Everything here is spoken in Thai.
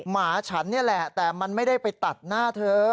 หมาฉันนี่แหละแต่มันไม่ได้ไปตัดหน้าเธอ